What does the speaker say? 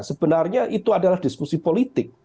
sebenarnya itu adalah diskusi politik